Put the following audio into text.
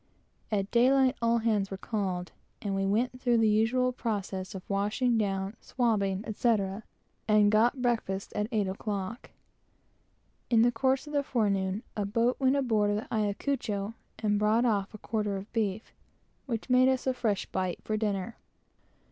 At daylight all hands were called, and we went through the usual process of washing down, swabbing, etc., and got breakfast at eight o'clock. In the course of the forenoon, a boat went aboard of the Ayacucho and brought off a quarter of beef, which made us a fresh bite for dinner.